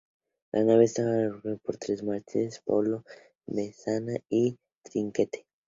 La nave estaba arbolada con tres mástiles: palo mayor, mesana y trinquete..